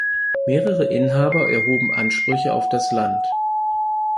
Mehrere Inhaber erhoben Ansprüche auf das Land.